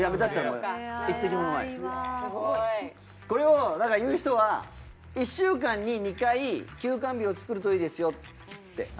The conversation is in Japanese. これをだから言う人は１週間に２回休肝日を作るといいですよって。